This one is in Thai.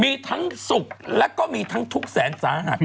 มีทั้งสุขและก็มีทั้งทุกข์แสนสาหัส